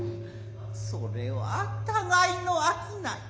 それは互いの商い。